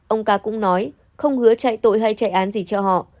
ông ca cũng nói không hứa chạy tội hay chạy án gì cho họ